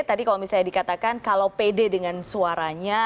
tadi kalau misalnya dikatakan kalau pede dengan suaranya